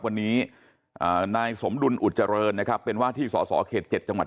วันนี้นายสมดุลอุดเจริญนะครับเป็นว่าที่สอสอเขต๗จังหวัด